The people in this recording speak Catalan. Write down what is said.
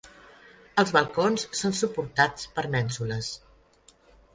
Els balcons són suportats per mènsules.